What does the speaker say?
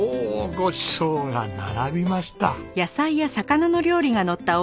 ごちそうが並びました。